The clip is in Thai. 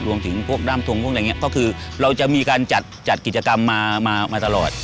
รวมถึงพวกร่ำทงพวกแบบนี้ก็คือเราจะมีการจัดกิจกรรมมาตลอด